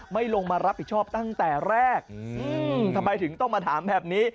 ลงมารับผิดชอบตั้งแต่แรกทำไมถึงต้องมาถามแบบนี้